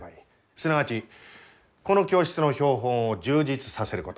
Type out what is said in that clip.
すなわちこの教室の標本を充実させること。